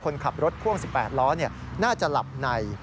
คนขับรถพ่วง๑๘ล้อน่าจะหลับใน